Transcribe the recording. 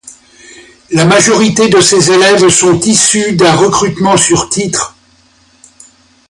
La majorité de ces élèves sont issus d'un recrutement sur titre.